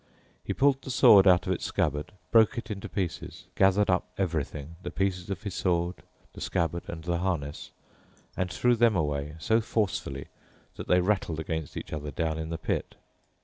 He pulled the sword out of its scabbard, broke it in pieces, gathered up everything—the pieces of the sword, the scabbard, and the harness—and threw them away so forcefully that they rattled against each other down in the pit.